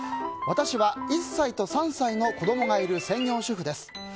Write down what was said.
私は、１歳と３歳の子供がいる専業主婦です。